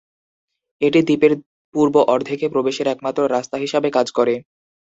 এটি দ্বীপের পূর্ব অর্ধেকে প্রবেশের একমাত্র রাস্তা হিসাবে কাজ করে।